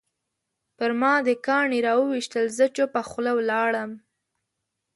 پرما دې کاڼي راویشتل زه چوپه خوله ولاړم